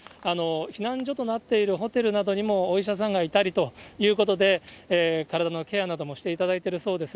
避難所となっているホテルなどにもお医者さんがいたりということで、体のケアなどもしていただいているそうです。